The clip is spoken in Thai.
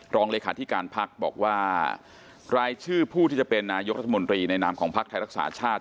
รองเลขาธิการพักบอกว่ารายชื่อผู้ที่จะเป็นนายกรัฐมนตรีในนามของพักไทยรักษาชาติ